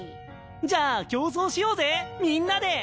じゃあ競争しようぜみんなで。